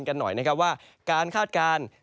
กันหน่อยนะครับว่าการคาดการณ์